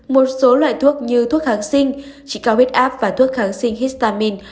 một số loại thuốc như thuốc kháng sinh trị cao bết áp và thuốc kháng sinh histamine